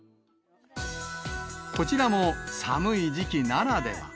こちらも、寒い時期ならでは。